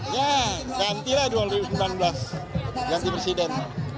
ya gantilah dua ribu sembilan belas ganti presiden